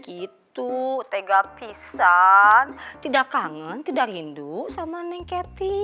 itu tega pisan tidak kangen tidak rindu sama neng kety